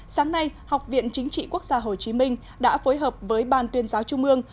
sáng nay học viện chính trị quốc gia hồ chí minh đã phối hợp với ban tuyên giáo trung ương